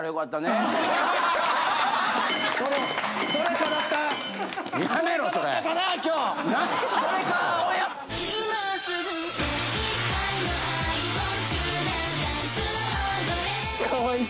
かわいい！